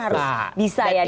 harus bisa ya diterima